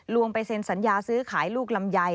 ไปเซ็นสัญญาซื้อขายลูกลำไย